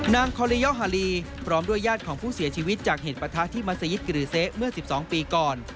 นางคอลียอฮาลีพร้อมด้วยญาติของผู้เสียชีวิตจากเหตุประทะที่มัศยิตกรีเซเมื่อ๑๒ปีก่อน